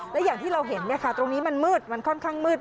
และอย่างที่เราเห็นตรงนี้มันมืดมันค่อนข้างมืด